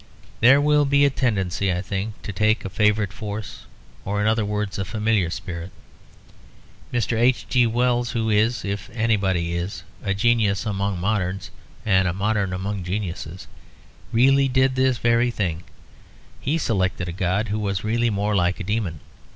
There will be a tendency, I think, to take a favourite force, or in other words a familiar spirit. Mr. H. G. Wells, who is, if anybody is, a genius among moderns and a modern among geniuses, really did this very thing; he selected a god who was really more like a daemon.